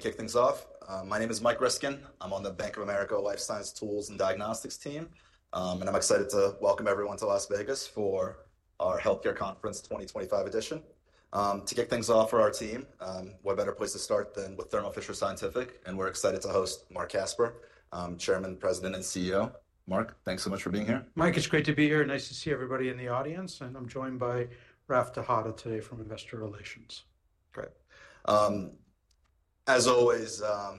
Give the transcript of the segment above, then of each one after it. To kick things off, my name is Mike Riskin. I'm on the Bank of America Life Science Tools and Diagnostics team, and I'm excited to welcome everyone to Las Vegas for our Healthcare Conference 2025 edition. To kick things off for our team, what better place to start than with Thermo Fisher Scientific? We're excited to host Marc Casper, Chairman, President, and CEO. Marc, thanks so much for being here. Mike, it's great to be here. Nice to see everybody in the audience. And I'm joined by Raf Tejada today from Investor Relations. Great. As always, I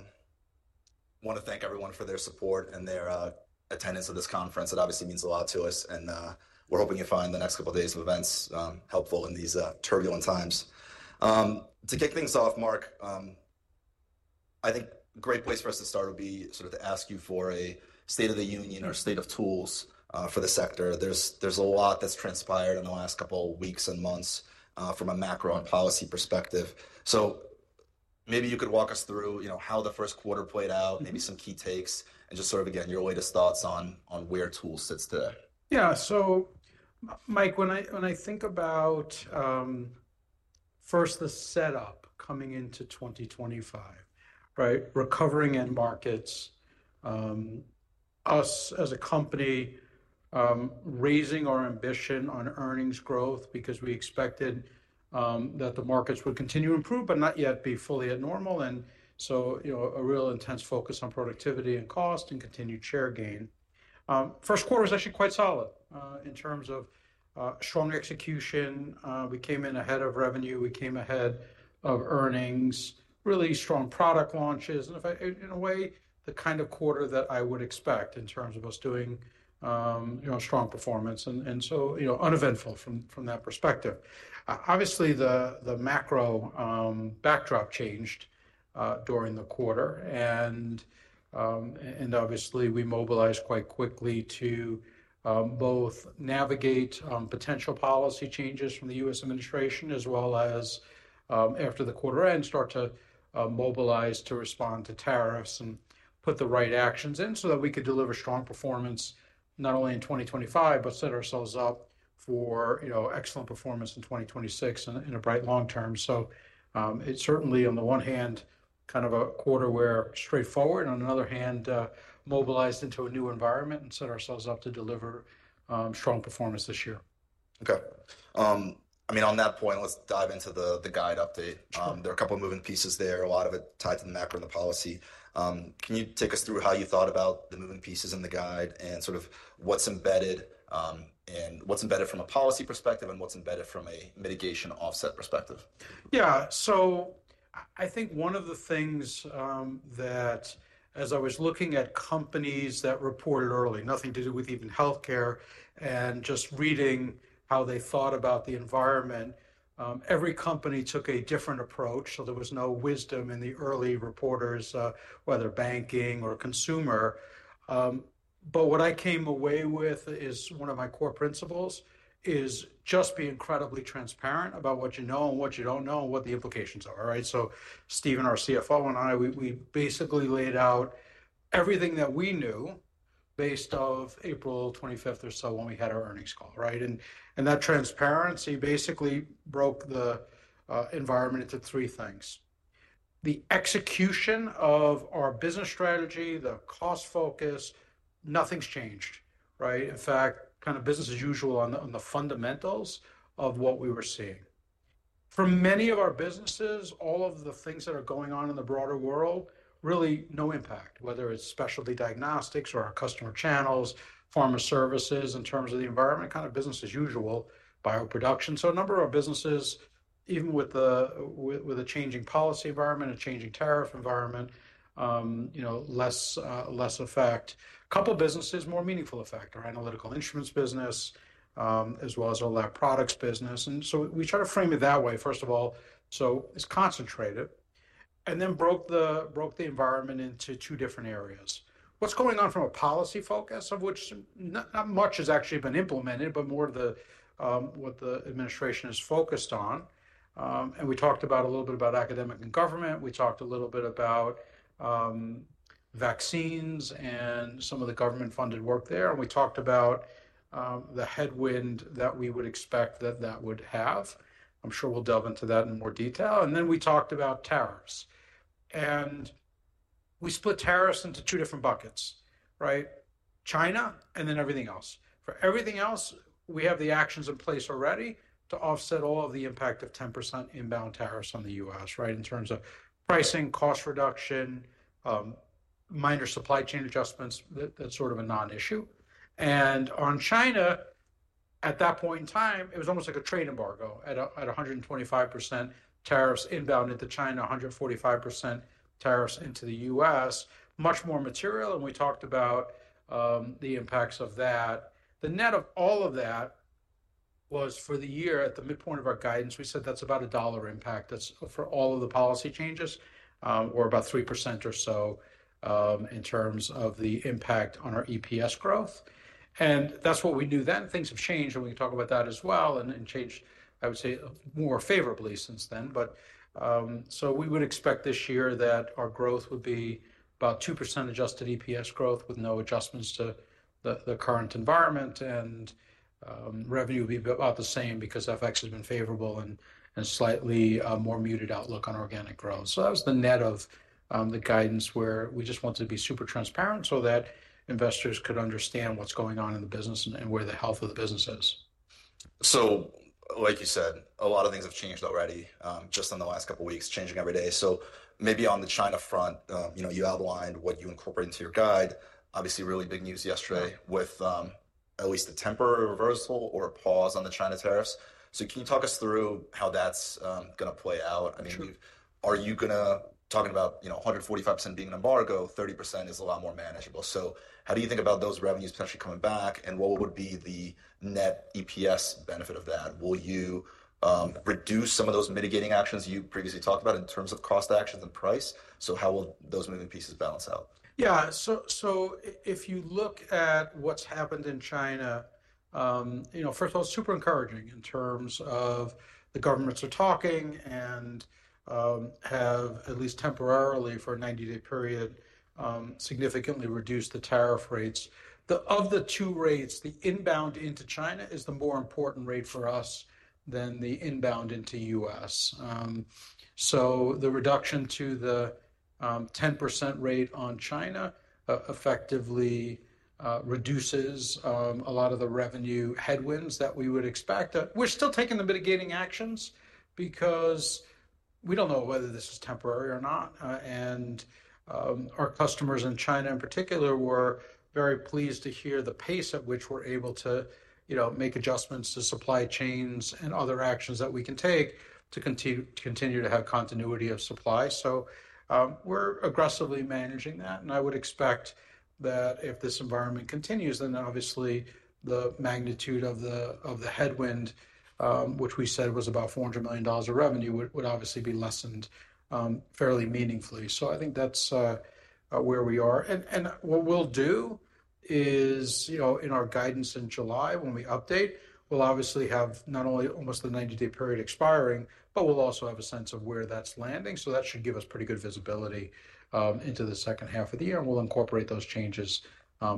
want to thank everyone for their support and their attendance at this conference. It obviously means a lot to us, and we're hoping you find the next couple of days of events helpful in these turbulent times. To kick things off, Marc, I think a great place for us to start would be sort of to ask you for a state of the union or state of tools for the sector. There's a lot that's transpired in the last couple of weeks and months from a macro and policy perspective. Maybe you could walk us through how the first quarter played out, maybe some key takes, and just sort of, again, your latest thoughts on where tools sits today. Yeah. Mike, when I think about, first, the setup coming into 2025, right, recovering end markets, us as a company raising our ambition on earnings growth because we expected that the markets would continue to improve, but not yet be fully at normal. A real intense focus on productivity and cost and continued share gain. First quarter was actually quite solid in terms of strong execution. We came in ahead of revenue. We came ahead of earnings, really strong product launches. In a way, the kind of quarter that I would expect in terms of us doing strong performance and so uneventful from that perspective. Obviously, the macro backdrop changed during the quarter. Obviously, we mobilized quite quickly to both navigate potential policy changes from the U.S. administration as well as, after the quarter end, start to mobilize to respond to tariffs and put the right actions in so that we could deliver strong performance not only in 2025, but set ourselves up for excellent performance in 2026 in a bright long term. It is certainly, on the one hand, kind of a quarter where straightforward, and on the other hand, mobilized into a new environment and set ourselves up to deliver strong performance this year. Okay. I mean, on that point, let's dive into the guide update. There are a couple of moving pieces there, a lot of it tied to the macro and the policy. Can you take us through how you thought about the moving pieces in the guide and sort of what's embedded and what's embedded from a policy perspective and what's embedded from a mitigation offset perspective? Yeah. I think one of the things that, as I was looking at companies that reported early, nothing to do with even healthcare, and just reading how they thought about the environment, every company took a different approach. There was no wisdom in the early reporters, whether banking or consumer. What I came away with is one of my core principles is just be incredibly transparent about what you know and what you do not know and what the implications are. Right? Steven, our CFO, and I, we basically laid out everything that we knew based off April 25 or so when we had our earnings call. Right? That transparency basically broke the environment into three things: the execution of our business strategy, the cost focus, nothing's changed. Right? In fact, kind of business as usual on the fundamentals of what we were seeing. For many of our businesses, all of the things that are going on in the broader world, really no impact, whether it's specialty diagnostics or our customer channels, pharma services in terms of the environment, kind of business as usual, bio production. A number of our businesses, even with a changing policy environment, a changing tariff environment, less effect. A couple of businesses, more meaningful effect, our analytical instruments business, as well as our lab products business. We try to frame it that way, first of all, so it's concentrated, and then broke the environment into two different areas. What's going on from a policy focus, of which not much has actually been implemented, but more of what the administration is focused on. We talked about a little bit about academic and government. We talked a little bit about vaccines and some of the government-funded work there. We talked about the headwind that we would expect that that would have. I'm sure we'll delve into that in more detail. We talked about tariffs. We split tariffs into two different buckets, right? China and then everything else. For everything else, we have the actions in place already to offset all of the impact of 10% inbound tariffs on the U.S., right, in terms of pricing, cost reduction, minor supply chain adjustments. That's sort of a non-issue. On China, at that point in time, it was almost like a trade embargo at 125% tariffs inbound into China, 145% tariffs into the U.S., much more material. We talked about the impacts of that. The net of all of that was for the year at the midpoint of our guidance, we said that's about a $1 impact for all of the policy changes. We're about 3% or so in terms of the impact on our EPS growth. That's what we knew then. Things have changed, and we can talk about that as well and change, I would say, more favorably since then. We would expect this year that our growth would be about 2% adjusted EPS growth with no adjustments to the current environment. Revenue would be about the same because FX has been favorable and slightly more muted outlook on organic growth. That was the net of the guidance where we just wanted to be super transparent so that investors could understand what's going on in the business and where the health of the business is. Like you said, a lot of things have changed already just in the last couple of weeks, changing every day. Maybe on the China front, you outlined what you incorporate into your guide. Obviously, really big news yesterday with at least a temporary reversal or a pause on the China tariffs. Can you talk us through how that's going to play out? I mean, are you talking about 145% being an embargo, 30% is a lot more manageable. How do you think about those revenues potentially coming back, and what would be the net EPS benefit of that? Will you reduce some of those mitigating actions you previously talked about in terms of cost actions and price? How will those moving pieces balance out? Yeah. If you look at what's happened in China, first of all, it's super encouraging in terms of the governments are talking and have at least temporarily for a 90-day period significantly reduced the tariff rates. Of the two rates, the inbound into China is the more important rate for us than the inbound into the U.S. The reduction to the 10% rate on China effectively reduces a lot of the revenue headwinds that we would expect. We're still taking the mitigating actions because we don't know whether this is temporary or not. Our customers in China in particular were very pleased to hear the pace at which we're able to make adjustments to supply chains and other actions that we can take to continue to have continuity of supply. We're aggressively managing that. I would expect that if this environment continues, then obviously the magnitude of the headwind, which we said was about $400 million of revenue, would obviously be lessened fairly meaningfully. I think that's where we are. What we'll do is in our guidance in July when we update, we'll obviously have not only almost the 90-day period expiring, but we'll also have a sense of where that's landing. That should give us pretty good visibility into the second half of the year. We'll incorporate those changes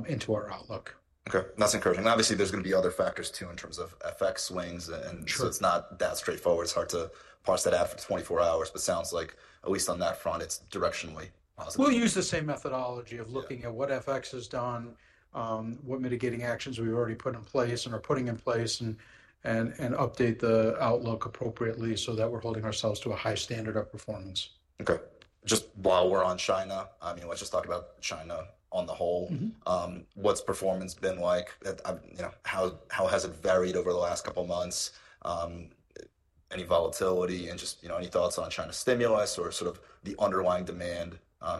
into our outlook. Okay. That's encouraging. Obviously, there's going to be other factors too in terms of FX swings. It is not that straightforward. It is hard to parse that out for 24 hours. It sounds like at least on that front, it is directionally positive. We'll use the same methodology of looking at what FX has done, what mitigating actions we've already put in place and are putting in place, and update the outlook appropriately so that we're holding ourselves to a high standard of performance. Okay. Just while we're on China, I mean, let's just talk about China on the whole. What's performance been like? How has it varied over the last couple of months? Any volatility and just any thoughts on China stimulus or sort of the underlying demand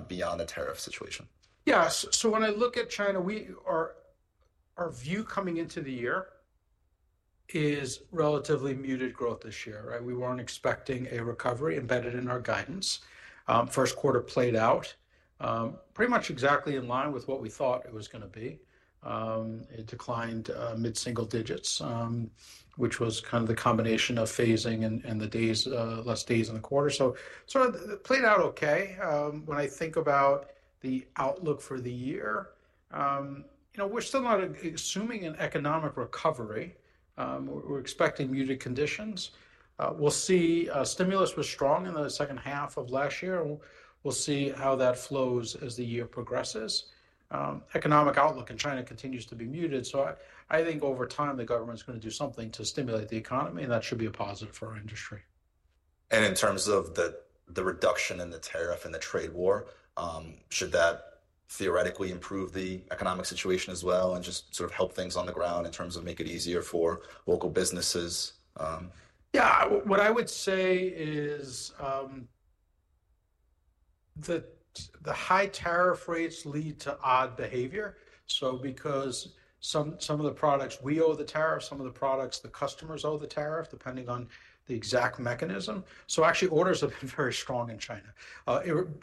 beyond the tariff situation? Yeah. When I look at China, our view coming into the year is relatively muted growth this year. Right? We were not expecting a recovery embedded in our guidance. First quarter played out pretty much exactly in line with what we thought it was going to be. It declined mid-single digits, which was kind of the combination of phasing and the less days in the quarter. It sort of played out okay. When I think about the outlook for the year, we are still not assuming an economic recovery. We are expecting muted conditions. We will see. Stimulus was strong in the second half of last year. We will see how that flows as the year progresses. Economic outlook in China continues to be muted. I think over time, the government's going to do something to stimulate the economy, and that should be a positive for our industry. In terms of the reduction in the tariff and the trade war, should that theoretically improve the economic situation as well and just sort of help things on the ground in terms of make it easier for local businesses? Yeah. What I would say is that the high tariff rates lead to odd behavior. Because some of the products we owe the tariff, some of the products the customers owe the tariff, depending on the exact mechanism. Actually, orders have been very strong in China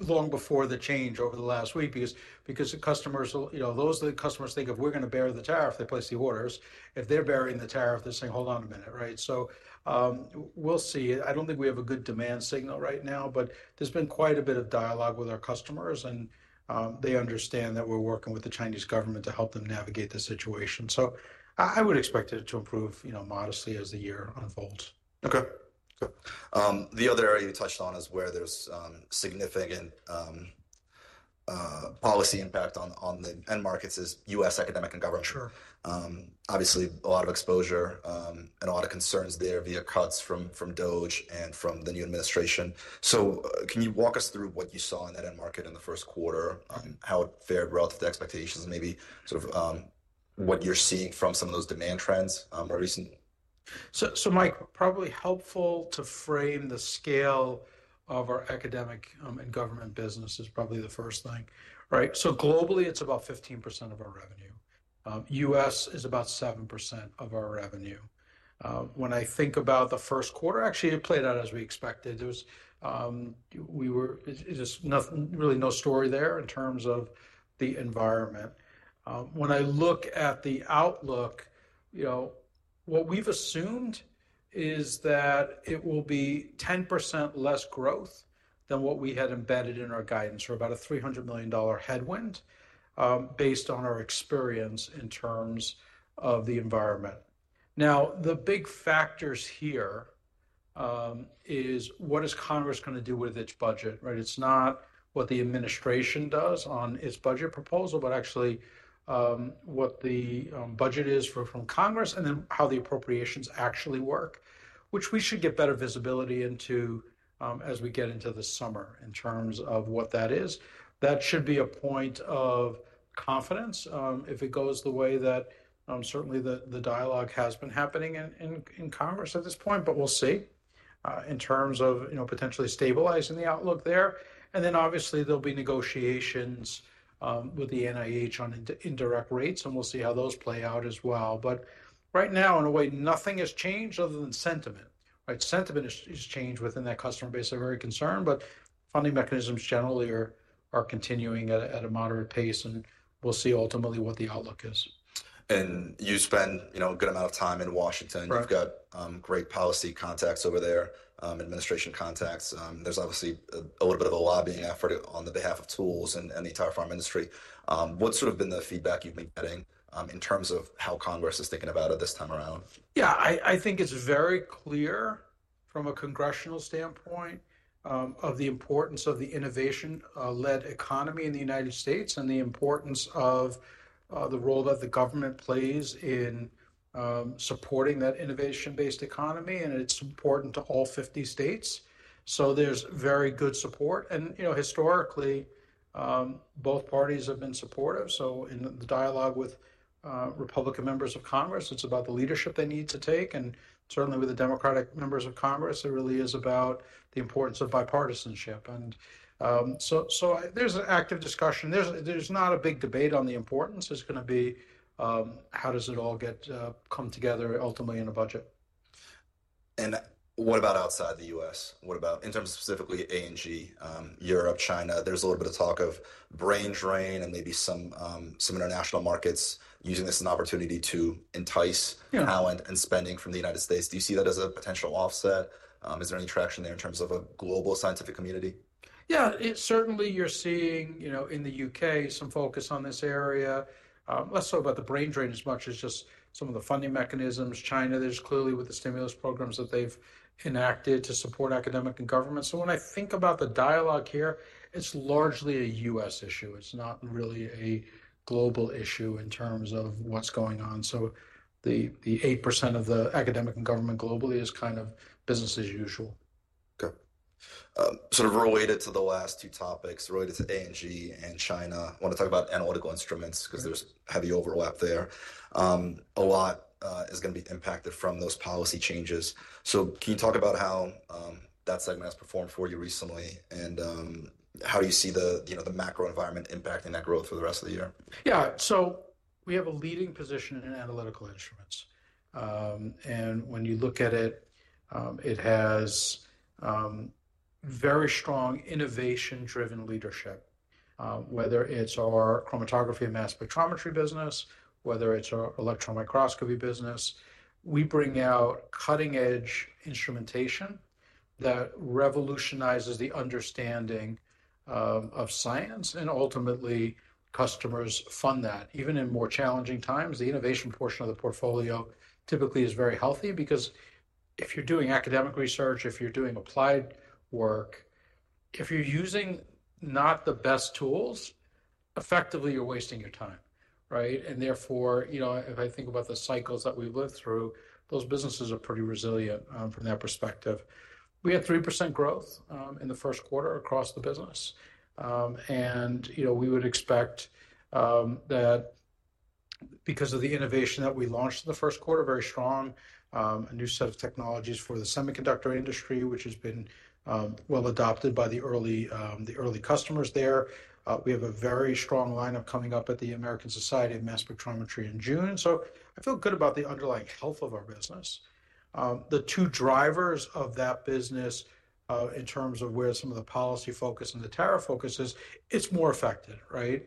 long before the change over the last week because those are the customers think if we're going to bear the tariff, they place the orders. If they're bearing the tariff, they're saying, "Hold on a minute." Right? We'll see. I don't think we have a good demand signal right now, but there's been quite a bit of dialogue with our customers. They understand that we're working with the Chinese government to help them navigate the situation. I would expect it to improve modestly as the year unfolds. Okay. The other area you touched on is where there is significant policy impact on the end markets is U.S. economic and government. Obviously, a lot of exposure and a lot of concerns there via cuts from DOGE and from the new administration. Can you walk us through what you saw in that end market in the first quarter, how it fared relative to expectations, maybe sort of what you are seeing from some of those demand trends more recently? Mike, probably helpful to frame the scale of our academic and government business is probably the first thing. Right? Globally, it's about 15% of our revenue. U.S. is about 7% of our revenue. When I think about the first quarter, actually, it played out as we expected. There was really no story there in terms of the environment. When I look at the outlook, what we've assumed is that it will be 10% less growth than what we had embedded in our guidance for about a $300 million headwind based on our experience in terms of the environment. Now, the big factors here is what is Congress going to do with its budget. Right? It's not what the administration does on its budget proposal, but actually what the budget is from Congress and then how the appropriations actually work, which we should get better visibility into as we get into the summer in terms of what that is. That should be a point of confidence if it goes the way that certainly the dialogue has been happening in Congress at this point. We'll see in terms of potentially stabilizing the outlook there. Obviously, there'll be negotiations with the NIH on indirect rates, and we'll see how those play out as well. Right now, in a way, nothing has changed other than sentiment. Right? Sentiment has changed within that customer base of very concern, but funding mechanisms generally are continuing at a moderate pace. We'll see ultimately what the outlook is. You spend a good amount of time in Washington. You've got great policy contacts over there, administration contacts. There's obviously a little bit of a lobbying effort on the behalf of tools and the entire pharma industry. What's sort of been the feedback you've been getting in terms of how Congress is thinking about it this time around? Yeah. I think it's very clear from a congressional standpoint of the importance of the innovation-led economy in the United States and the importance of the role that the government plays in supporting that innovation-based economy. It's important to all 50 states. There's very good support. Historically, both parties have been supportive. In the dialogue with Republican members of Congress, it's about the leadership they need to take. Certainly with the Democratic members of Congress, it really is about the importance of bipartisanship. There's an active discussion. There's not a big debate on the importance. It's going to be how does it all come together ultimately in a budget. What about outside the U.S.? In terms of specifically ANG, Europe, China, there is a little bit of talk of brain drain and maybe some international markets using this as an opportunity to entice talent and spending from the United States. Do you see that as a potential offset? Is there any traction there in terms of a global scientific community? Yeah. Certainly, you're seeing in the U.K. some focus on this area. Less so about the brain drain as much as just some of the funding mechanisms. China, there's clearly with the stimulus programs that they've enacted to support academic and government. When I think about the dialogue here, it's largely a U.S. issue. It's not really a global issue in terms of what's going on. The 8% of the academic and government globally is kind of business as usual. Okay. Sort of related to the last two topics, related to ANG and China, I want to talk about analytical instruments because there's heavy overlap there. A lot is going to be impacted from those policy changes. Can you talk about how that segment has performed for you recently and how do you see the macro environment impacting that growth for the rest of the year? Yeah. We have a leading position in analytical instruments. When you look at it, it has very strong innovation-driven leadership, whether it is our chromatography and mass spectrometry business, whether it is our electron microscopy business. We bring out cutting-edge instrumentation that revolutionizes the understanding of science. Ultimately, customers fund that. Even in more challenging times, the innovation portion of the portfolio typically is very healthy because if you are doing academic research, if you are doing applied work, if you are using not the best tools, effectively, you are wasting your time. Right? Therefore, if I think about the cycles that we have lived through, those businesses are pretty resilient from that perspective. We had 3% growth in the first quarter across the business. We would expect that because of the innovation that we launched in the first quarter, very strong, a new set of technologies for the semiconductor industry, which has been well adopted by the early customers there. We have a very strong lineup coming up at the American Society of Mass Spectrometry in June. I feel good about the underlying health of our business. The two drivers of that business in terms of where some of the policy focus and the tariff focus is, it's more affected. Right?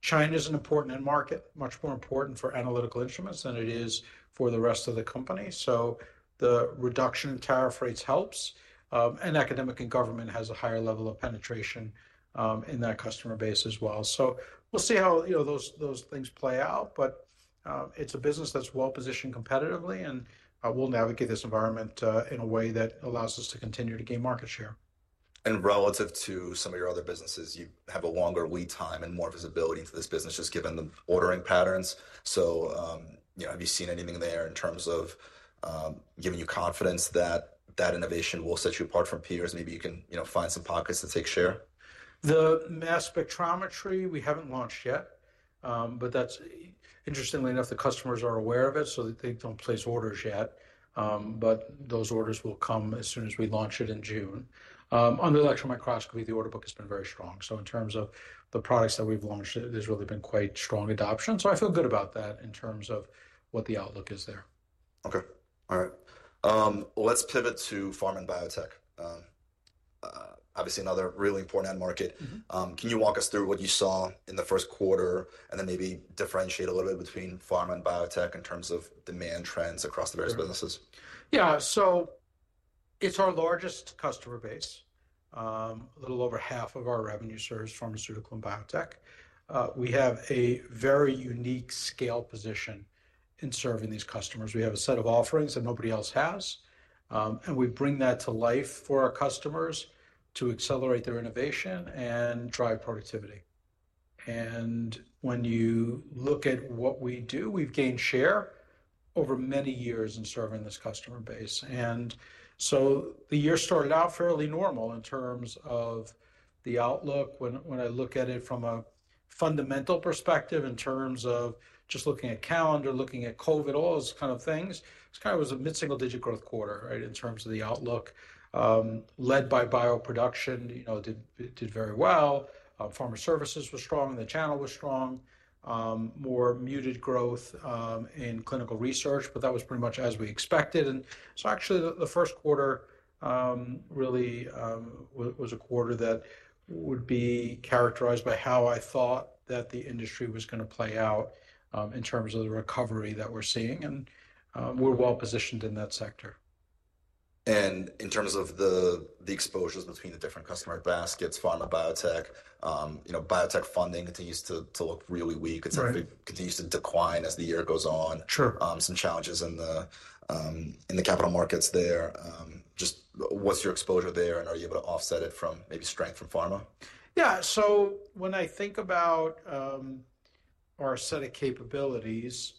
China is an important end market, much more important for analytical instruments than it is for the rest of the company. The reduction in tariff rates helps. Academic and government has a higher level of penetration in that customer base as well. We'll see how those things play out. It's a business that's well positioned competitively. We'll navigate this environment in a way that allows us to continue to gain market share. Relative to some of your other businesses, you have a longer lead time and more visibility into this business just given the ordering patterns. Have you seen anything there in terms of giving you confidence that that innovation will set you apart from peers? Maybe you can find some pockets to take share? The mass spectrometry, we haven't launched yet. Interestingly enough, the customers are aware of it so that they don't place orders yet. Those orders will come as soon as we launch it in June. On the electron microscopy, the order book has been very strong. In terms of the products that we've launched, there's really been quite strong adoption. I feel good about that in terms of what the outlook is there. Okay. All right. Let's pivot to pharma and biotech. Obviously, another really important end market. Can you walk us through what you saw in the first quarter and then maybe differentiate a little bit between pharma and biotech in terms of demand trends across the various businesses? Yeah. It is our largest customer base. A little over half of our revenue serves pharmaceutical and biotech. We have a very unique scale position in serving these customers. We have a set of offerings that nobody else has. We bring that to life for our customers to accelerate their innovation and drive productivity. When you look at what we do, we have gained share over many years in serving this customer base. The year started out fairly normal in terms of the outlook. When I look at it from a fundamental perspective, in terms of just looking at calendar, looking at COVID, all those kind of things, it was a mid-single digit growth quarter, right, in terms of the outlook. Led by bio production, did very well. Pharma services was strong. The channel was strong. More muted growth in clinical research, but that was pretty much as we expected. The first quarter really was a quarter that would be characterized by how I thought that the industry was going to play out in terms of the recovery that we're seeing. We're well positioned in that sector. In terms of the exposures between the different customer baskets, pharma and biotech, biotech funding continues to look really weak. It continues to decline as the year goes on. Some challenges in the capital markets there. Just what's your exposure there? Are you able to offset it from maybe strength from pharma? Yeah. When I think about our set of capabilities,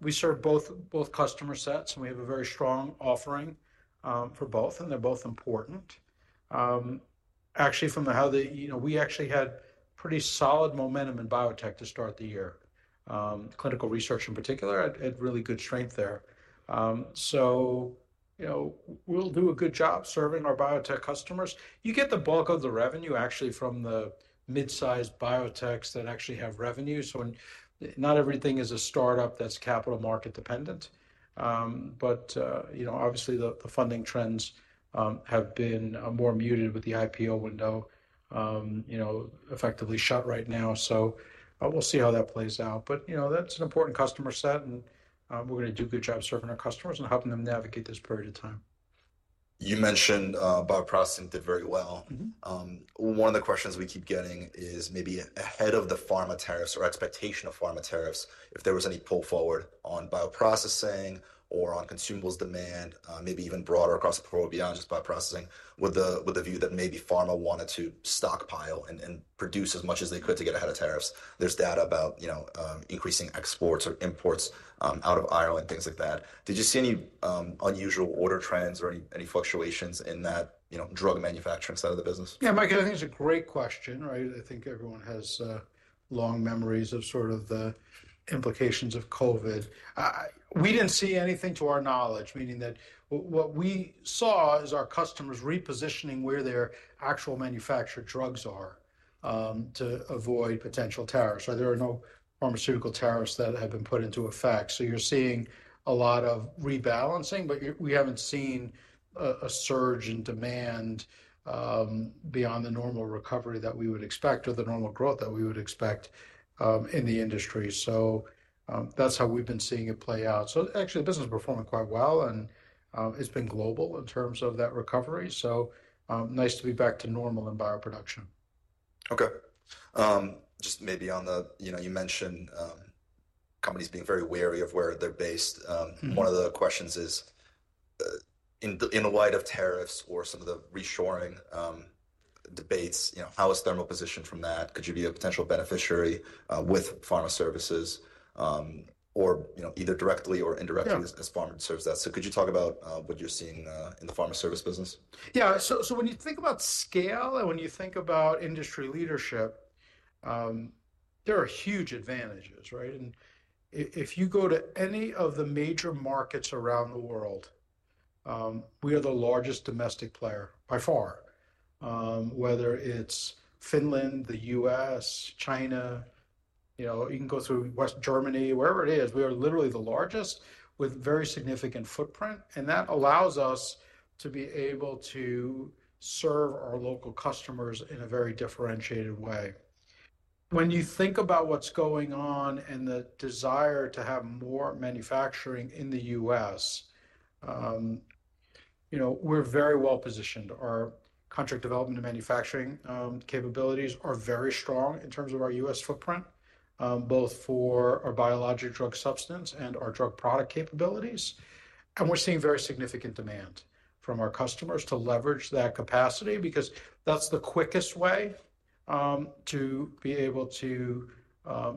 we serve both customer sets. We have a very strong offering for both. They are both important. Actually, we had pretty solid momentum in biotech to start the year. Clinical research in particular had really good strength there. We will do a good job serving our biotech customers. You get the bulk of the revenue from the mid-sized biotechs that actually have revenue. Not everything is a startup that is capital market dependent. Obviously, the funding trends have been more muted with the IPO window effectively shut right now. We will see how that plays out. That is an important customer set. We are going to do a good job serving our customers and helping them navigate this period of time. You mentioned bioprocessing did very well. One of the questions we keep getting is maybe ahead of the pharma tariffs or expectation of pharma tariffs, if there was any pull forward on bioprocessing or on consumables demand, maybe even broader across the floor beyond just bioprocessing, with the view that maybe pharma wanted to stockpile and produce as much as they could to get ahead of tariffs. There is data about increasing exports or imports out of Ireland, things like that. Did you see any unusual order trends or any fluctuations in that drug manufacturing side of the business? Yeah, Mike, I think it's a great question. Right? I think everyone has long memories of sort of the implications of COVID. We didn't see anything to our knowledge, meaning that what we saw is our customers repositioning where their actual manufactured drugs are to avoid potential tariffs. There are no pharmaceutical tariffs that have been put into effect. You're seeing a lot of rebalancing, but we haven't seen a surge in demand beyond the normal recovery that we would expect or the normal growth that we would expect in the industry. That's how we've been seeing it play out. Actually, the business is performing quite well. It's been global in terms of that recovery. Nice to be back to normal in bioproduction. Okay. Just maybe on the you mentioned companies being very wary of where they're based. One of the questions is, in the light of tariffs or some of the reshoring debates, how is Thermo Fisher Scientific positioned from that? Could you be a potential beneficiary with pharma services or either directly or indirectly as pharma serves that? Could you talk about what you're seeing in the pharma service business? Yeah. So when you think about scale and when you think about industry leadership, there are huge advantages. Right? If you go to any of the major markets around the world, we are the largest domestic player by far, whether it's Finland, the U.S., China. You can go through Germany, wherever it is. We are literally the largest with very significant footprint. That allows us to be able to serve our local customers in a very differentiated way. When you think about what's going on and the desire to have more manufacturing in the U.S., we're very well positioned. Our contract development and manufacturing capabilities are very strong in terms of our U.S. footprint, both for our biologic drug substance and our drug product capabilities. We are seeing very significant demand from our customers to leverage that capacity because that's the quickest way to be able to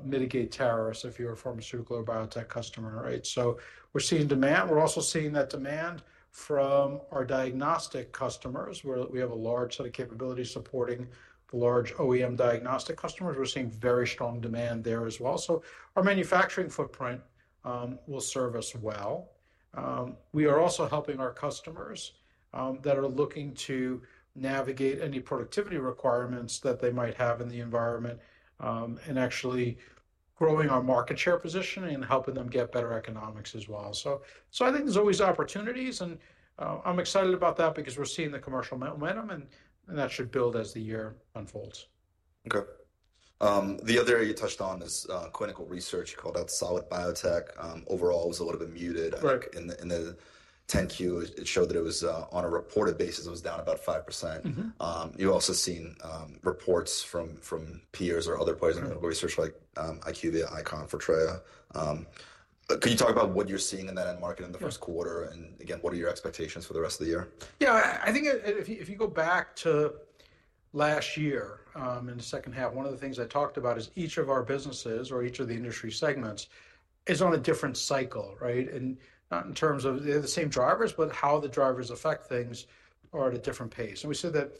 mitigate tariffs if you're a pharmaceutical or biotech customer. Right? We are seeing demand. We are also seeing that demand from our diagnostic customers where we have a large set of capabilities supporting the large OEM diagnostic customers. We are seeing very strong demand there as well. Our manufacturing footprint will serve us well. We are also helping our customers that are looking to navigate any productivity requirements that they might have in the environment and actually growing our market share position and helping them get better economics as well. I think there are always opportunities. I am excited about that because we are seeing the commercial momentum. That should build as the year unfolds. Okay. The other area you touched on is clinical research called out solid biotech. Overall, it was a little bit muted. In the 10Q, it showed that it was on a reported basis. It was down about 5%. You've also seen reports from peers or other players in clinical research like IQVIA, ICON, Fortraya. Could you talk about what you're seeing in that end market in the first quarter? Again, what are your expectations for the rest of the year? Yeah. I think if you go back to last year in the second half, one of the things I talked about is each of our businesses or each of the industry segments is on a different cycle. Right? Not in terms of the same drivers, but how the drivers affect things are at a different pace. We said that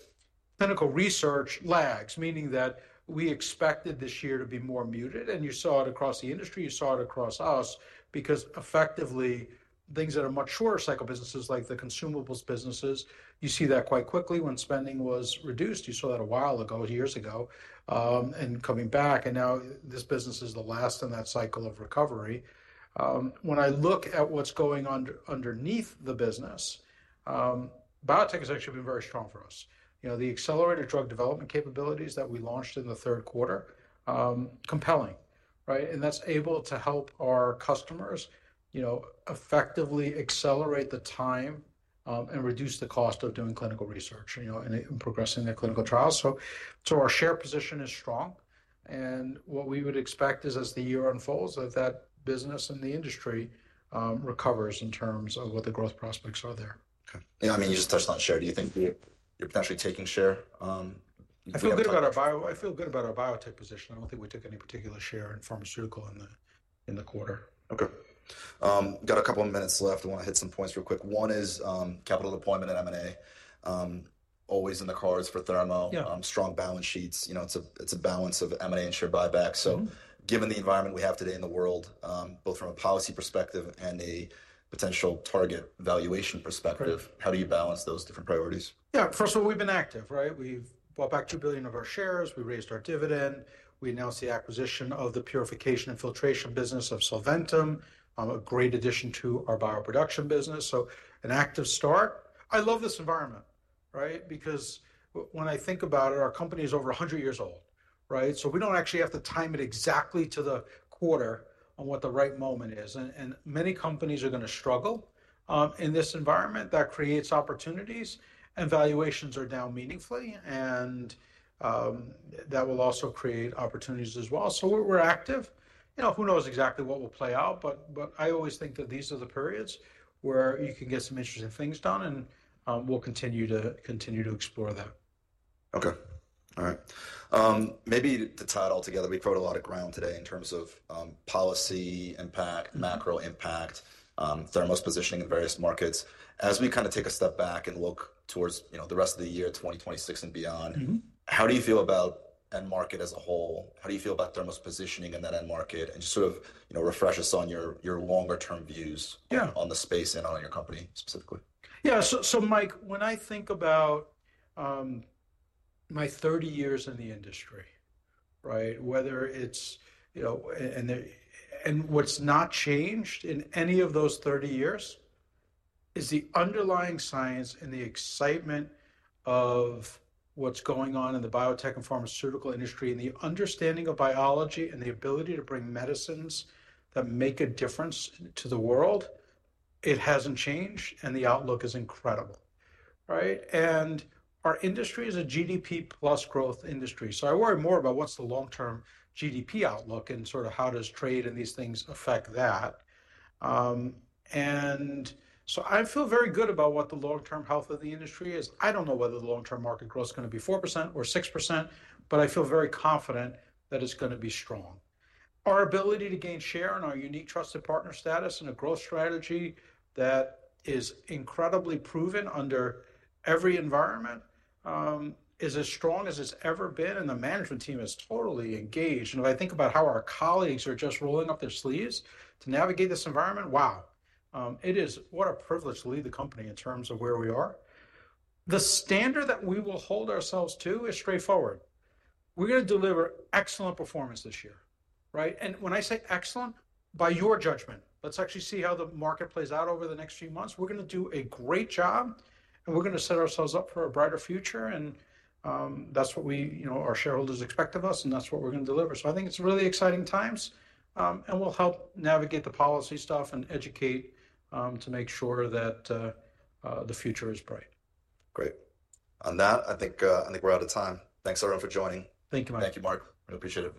clinical research lags, meaning that we expected this year to be more muted. You saw it across the industry. You saw it across us because, effectively, things that are much shorter cycle businesses like the consumables businesses, you see that quite quickly when spending was reduced. You saw that a while ago, years ago, and coming back. Now this business is the last in that cycle of recovery. When I look at what's going on underneath the business, biotech has actually been very strong for us. The accelerated drug development capabilities that we launched in the third quarter, compelling. Right? And that's able to help our customers effectively accelerate the time and reduce the cost of doing clinical research and progressing their clinical trials. Our share position is strong. What we would expect is as the year unfolds that that business and the industry recovers in terms of what the growth prospects are there. Yeah. I mean, you just touched on share. Do you think you're potentially taking share? I feel good about our biotech position. I don't think we took any particular share in pharmaceutical in the quarter. Okay. Got a couple of minutes left. I want to hit some points real quick. One is capital deployment at M&A. Always in the cards for Thermo. Strong balance sheets. It's a balance of M&A and share buyback. Given the environment we have today in the world, both from a policy perspective and a potential target valuation perspective, how do you balance those different priorities? Yeah. First of all, we've been active. Right? We've bought back $2 billion of our shares. We raised our dividend. We now see acquisition of the purification and filtration business of Solventum, a great addition to our bioproduction business. An active start. I love this environment. Right? Because when I think about it, our company is over 100 years old. Right? We do not actually have to time it exactly to the quarter on what the right moment is. Many companies are going to struggle in this environment. That creates opportunities. Valuations are down meaningfully. That will also create opportunities as well. We are active. Who knows exactly what will play out? I always think that these are the periods where you can get some interesting things done. We will continue to explore that. Okay. All right. Maybe to tie it all together, we've covered a lot of ground today in terms of policy, impact, macro impact, Thermo's positioning in various markets. As we kind of take a step back and look towards the rest of the year, 2026 and beyond, how do you feel about end market as a whole? How do you feel about Thermo's positioning in that end market? And just sort of refresh us on your longer-term views on the space and on your company specifically. Yeah. Mike, when I think about my 30 years in the industry, right, whether it's and what's not changed in any of those 30 years is the underlying science and the excitement of what's going on in the biotech and pharmaceutical industry and the understanding of biology and the ability to bring medicines that make a difference to the world. It hasn't changed. The outlook is incredible, right? Our industry is a GDP plus growth industry. I worry more about what's the long-term GDP outlook and sort of how does trade and these things affect that. I feel very good about what the long-term health of the industry is. I don't know whether the long-term market growth is going to be 4% or 6%, but I feel very confident that it's going to be strong. Our ability to gain share in our unique trusted partner status and a growth strategy that is incredibly proven under every environment is as strong as it's ever been. The management team is totally engaged. If I think about how our colleagues are just rolling up their sleeves to navigate this environment, wow, it is what a privilege to lead the company in terms of where we are. The standard that we will hold ourselves to is straightforward. We are going to deliver excellent performance this year. Right? When I say excellent, by your judgment, let's actually see how the market plays out over the next few months. We are going to do a great job. We are going to set ourselves up for a brighter future. That is what our shareholders expect of us. That is what we are going to deliver. I think it is really exciting times. We will help navigate the policy stuff and educate to make sure that the future is bright. Great. On that, I think we're out of time. Thanks, everyone, for joining. Thank you, Mike. Thank you, Mark. I appreciate it.